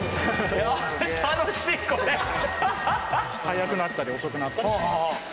速くなったり遅くなったりします。